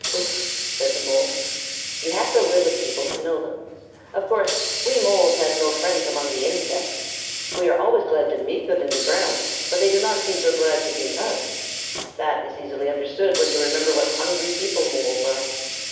"Umph!" said the Mole. "You have to live with people to know them. Of course, we Moles had no friends among the insects. We are always glad to meet them in the ground, but they do not seem so glad to meet us. That is easily understood when you remember what hungry people Moles are.